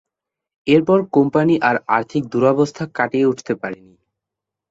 এরপর কোম্পানি আর আর্থিক দুরবস্থা কাটিয়ে উঠতে পারেনি।